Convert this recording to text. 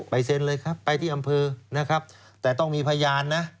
เซ็นเลยครับไปที่อำเภอนะครับแต่ต้องมีพยานนะ